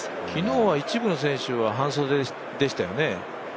昨日は一部の選手は半袖でしたよね。